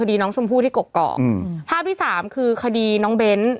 คดีน้องชมพู่ที่กกอกอืมภาพที่สามคือคดีน้องเบ้น